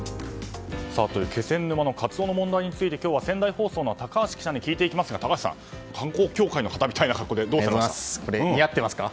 気仙沼のカツオの問題について仙台放送の高橋記者に聞いていきますが、高橋さん観光協会の方みたいな格好で似合ってますか？